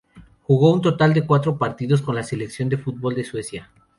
Jugó un total de cuatro partidos con la selección de fútbol de Suecia.